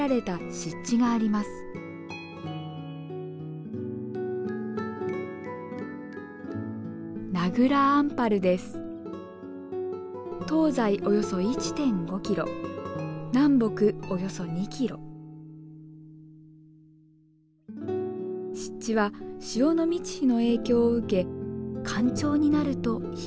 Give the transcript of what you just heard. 湿地は潮の満ち干の影響を受け干潮になると干潟が現れます。